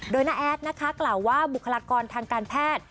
โดยน้าแอดนะคะกล่าวว่าบุคลากรทางการแพทย์